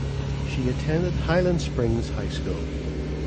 She attended Highland Springs High School.